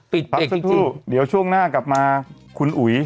เด็กสักครู่เดี๋ยวช่วงหน้ากลับมาคุณอุ๋ย